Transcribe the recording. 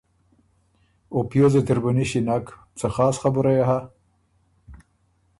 او پیوزه تِر بُو نِݭی نک، څه خاص خبُره يې هۀ؟